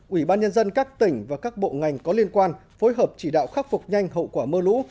ủy ban nhân dân các tỉnh và các bộ ngành có liên quan phối hợp chỉ đạo khắc phục nhanh hậu quả mưa lũ